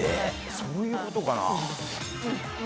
そういうことかな。